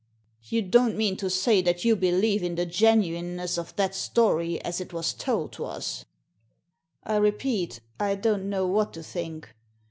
"You don't mean to say that you believe in the genuineness of that story as it was told to us ?"," I repeat, I don't know what to think.